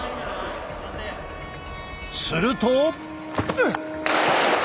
すると！